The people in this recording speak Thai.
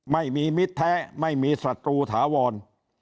มิตรแท้ไม่มีศัตรูถาวร